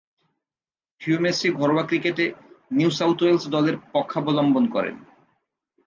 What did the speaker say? Hugh Massie ঘরোয়া ক্রিকেটে New South Wales দলের পক্ষাবলম্বন করেন।